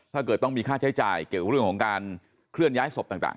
ถ้าเกิดต้องมีค่าใช้จ่ายเกี่ยวกับเรื่องของการเคลื่อนย้ายศพต่าง